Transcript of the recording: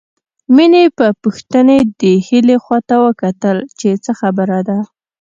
مينې په پوښتنې د هيلې خواته وکتل چې څه خبره ده